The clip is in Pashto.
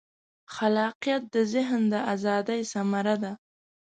خلاقیت د ذهن د ازادۍ ثمره ده.